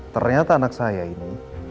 ternyata anak saya ini